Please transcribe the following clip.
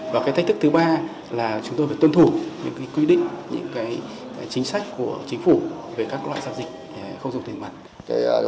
và cái thách thức thứ ba là chúng tôi phải tuân thủ những quy định những chính sách của chính phủ về các loại giao dịch không dùng tiền mặt